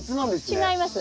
違います。